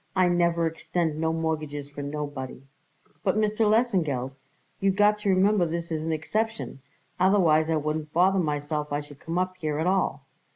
I never extend no mortgages for nobody." "But, Mr. Lesengeld, you got to remember this is an exception, otherwise I wouldn't bother myself I should come up here at all.